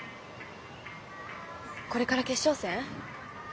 これから決勝戦？